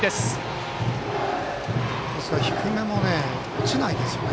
低めも落ちないですよね